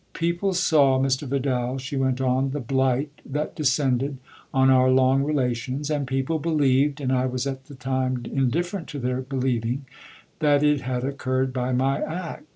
" People saw, Mr. Vidal," she went on, "the blight that descended on our long relations, and people believed and I was at the time indifferent to their believing that it had occurred by my act.